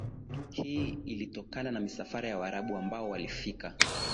hii ilitokana na misafara ya waarabu ambao walifika